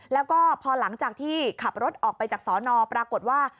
แล้วก็พอหลังจากที่ขับรถออกไปจากสอนอปรากฏว่า